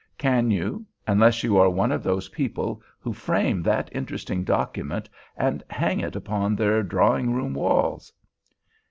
Can you—unless you are one of those people who frame that interesting document and hang it upon their drawing room walls?